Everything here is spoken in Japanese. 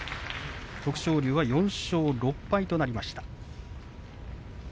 徳勝龍は４勝６敗となりました。